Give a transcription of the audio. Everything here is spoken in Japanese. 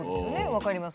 分かります